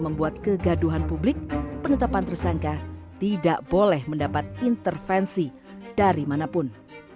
membuat kegaduhan publik penetapan tersangka tidak boleh mendapat intervensi dari manapun